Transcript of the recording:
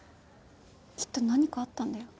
きっと何かあったんだよ